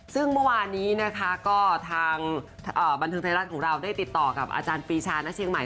ซึ่งเมื่อวานนี้นะคะก็ทางบันเทิงไทยรัฐของเราได้ติดต่อกับอาจารย์ปีชาณเชียงใหม่